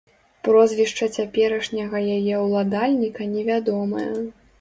Прозвішча цяперашняга яе ўладальніка невядомае.